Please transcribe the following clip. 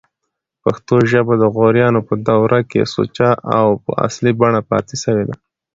پښتو ژبه دغوریانو په دوره کښي سوچه او په اصلي بڼه پاته سوې ده.